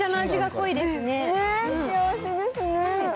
幸せですね。